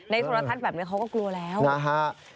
ในธรรมทัศน์แบบนี้เขาก็กลัวแล้ว